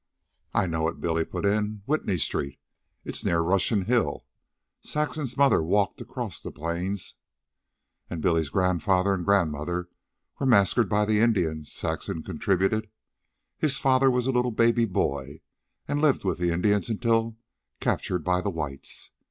"I know it," Billy put in. "Whitney Street. It's near Russian Hill. Saxon's mother walked across the Plains." "And Billy's grandfather and grandmother were massacred by the Indians," Saxon contributed. "His father was a little baby boy, and lived with the Indians, until captured by the whites.